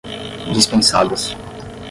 dispensadas